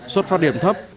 xuất phát điểm thấp